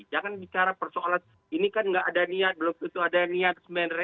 jangan bicara persoalan ini kan nggak ada niat belum tentu ada niat